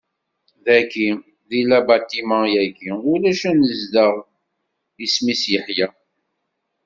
Dagi, di labaṭima-agi ulac anezdaɣ isem-is Yeḥya.